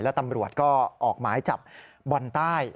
และตำรวจก็ออกหมายจับบอลใต้